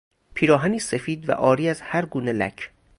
پیراهنی سفید و عاری از هر گونه لک